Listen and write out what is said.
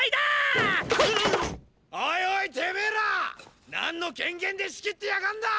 オイオイてめェら何の権限で仕切ってやがんだ！